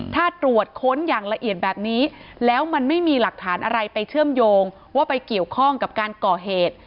ถ้าตรวจค้นอย่างละเอียดแบบนี้แล้วมันไม่มีหลักฐานอะไรไปเชื่อมโยงว่าไปเกี่ยวข้องกับการก่อเหตุ